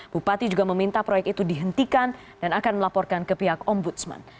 bupati juga meminta proyek itu dihentikan dan akan melaporkan ke pihak ombudsman